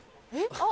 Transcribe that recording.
あっ！